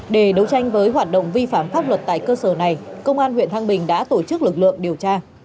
để đấu tranh với hoạt động vi phạm pháp luật tại cơ sở này công an huyện thăng bình đã tổ chức lực lượng điều tra